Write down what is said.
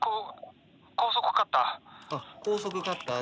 あ高速カッターで。